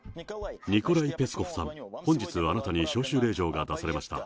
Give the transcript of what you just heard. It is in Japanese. ニコライ・ペスコフさん、本日、あなたに招集令状が出されました。